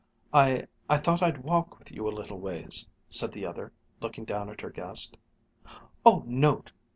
"I I thought I'd walk with you a little ways," said the other, looking down at her guest. "Oh no!